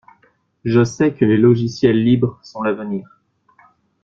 Je sais que les logiciels libres sont l'avenir.